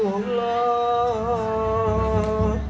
kami menibatkan gereja